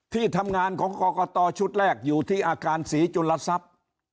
ที่ทำงานของกรกตชุดแรกอยู่ที่อาคารศรีจุลทรัพย์